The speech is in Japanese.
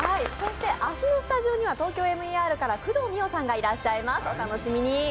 明日のスタジオには「ＴＯＫＹＯＭＥＲ」から工藤美桜さんがいらっしゃいます、お楽しみに。